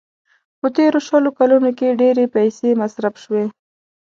په تېرو شلو کلونو کې ډېرې پيسې مصرف شوې.